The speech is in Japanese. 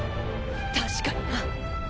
確かにな。